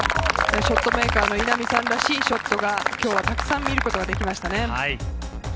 ショットメーカーの稲見さんらしいショートが今日はたくさん見ることができました。